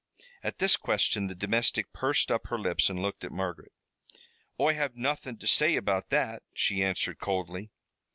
At this question the domestic pursed up her lips and looked at Margaret. "Oi have nothin' to say about that," she answered coldly.